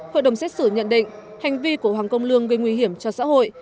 hội đồng xét xử nhận định hành vi của hoàng công lương gây nguy hiểm cho xã hội